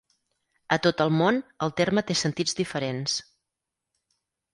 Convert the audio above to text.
A tot el món, el terme té sentits diferents.